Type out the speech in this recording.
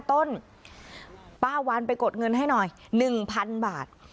ต้นป้าวันไปกดเงินให้หน่อย๑๐๐๐บาท